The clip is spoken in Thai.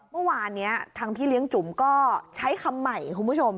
เมื่อวานนี้ทางพี่เลี้ยงจุ๋มก็ใช้คำใหม่คุณผู้ชม